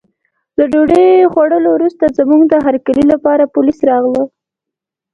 له ډوډۍ خوړو وروسته زموږ د هرکلي لپاره پولیس راغلل.